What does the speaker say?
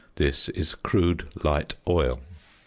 This is "crude light oil."